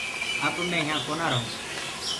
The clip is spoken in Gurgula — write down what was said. اب مي يهآنٚ ڪونآ ريهئونٚ